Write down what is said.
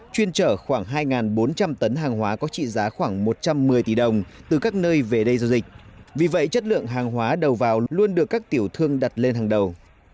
chuyên trở khoảng hai bốn trăm linh tấn hàng hóa có trị giá khoảng một trăm một mươi tỷ đồng từ các nơi về đây giao dịch vì vậy chất lượng hàng hóa đầu vào luôn được các tiểu thương đặt lên hàng đầu